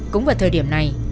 cũng vào thời điểm này